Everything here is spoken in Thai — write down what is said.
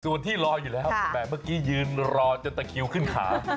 ส่วนที่รออยู่แล้วแหมเมื่อกี้ยืนรอจนตะคิวขึ้นขา